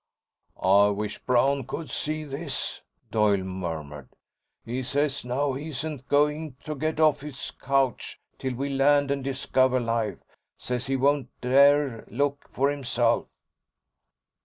"I wish Brown could see this," Doyle murmured. "He says now he isn't going to get off his couch till we land and discover life. Says he won't dare look for himself."